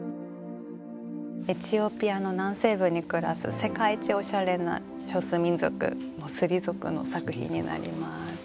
エチオピアの南西部に暮らす世界一おしゃれな少数民族スリ族の作品になります。